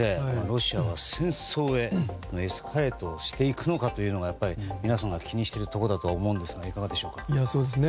ロシアは戦争へエスカレートしていくのかというのがやっぱり皆さんが気にしているところだと思うんですがいかがでしょうか。